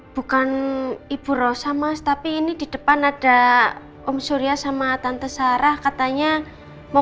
bukan ibu rosa mas tapi ini di depan ada om surya sama tante sarah katanya mau